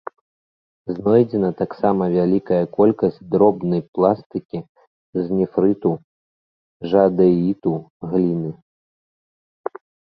Знойдзена таксама вялікая колькасць дробнай пластыкі з нефрыту, жадэіту, гліны.